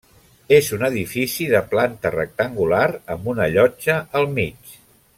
És un edifici de planta rectangular, amb una llotja al mig.